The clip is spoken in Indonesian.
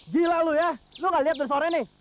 gila lu ya lu nggak lihat dari sore nih